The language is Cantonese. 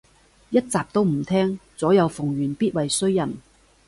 一集都唔聼，左右逢源必為衰人